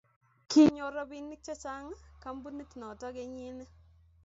Kinyor robinik chechang kampunit noto kenyini